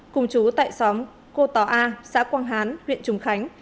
cùng chú tại xóm cô tòa xã quang hán huyện trùng khánh